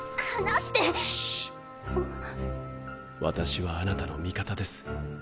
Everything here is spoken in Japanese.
私はあなたの味方です。